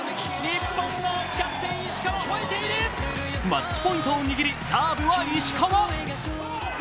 マッチポイントを握りサーブは石川。